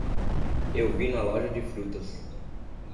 Eu a vi na loja de frutas